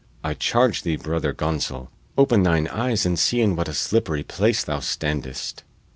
I charge thee, Brother Gonsol, open thine eyes and see in what a slippery place thou standest."